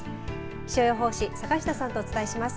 気象予報士の坂下さんとお伝えします。